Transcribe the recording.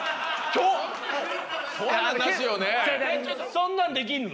そんなんできるの？